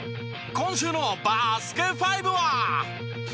今週の『バスケ☆ＦＩＶＥ』は。